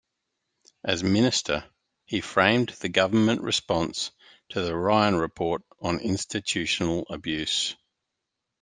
As Minister, he framed the Government response to the Ryan Report on Institutional Abuse.